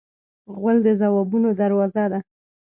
غول د ځوابونو دروازه ده.